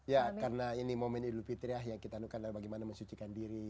ya karena ini momen idul fitriah yang kita lakukan adalah bagaimana mensucikan diri